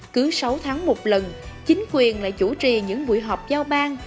cứ sáu tháng một lần chính quyền lại chủ trì những buổi họp giao bang